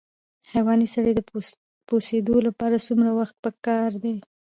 د حیواني سرې د پوسیدو لپاره څومره وخت پکار دی؟